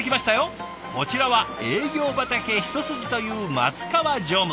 こちらは営業畑一筋という松川常務。